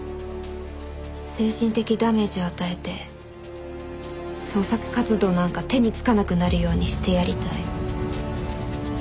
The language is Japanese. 精神的ダメージを与えて創作活動なんか手につかなくなるようにしてやりたい。